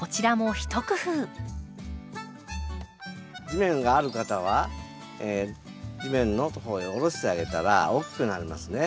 地面がある方は地面のところへおろしてあげたら大きくなりますね。